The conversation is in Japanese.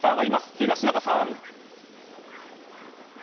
東中さん。